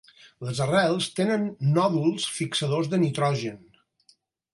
Les arrels tenen nòduls fixadors de nitrogen.